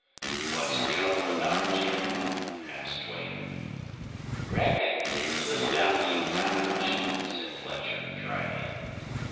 "What's the trouble about, Jim?" asked Duane. "Reckon it's a little about you, Dodge," said Fletcher, dryly.